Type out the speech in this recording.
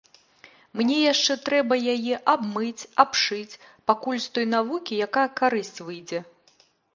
Мне яшчэ трэба яе абмыць, абшыць, пакуль з той навукі якая карысць выйдзе.